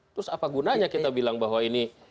terus apa gunanya kita bilang bahwa ini